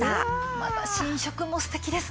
また新色も素敵ですね。